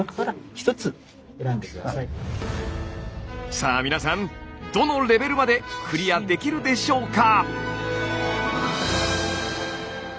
さあ皆さんどのレベルまでクリアできるでしょうか？